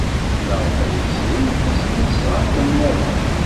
Maɣef ay tesrimt tasnasɣalt niḍen?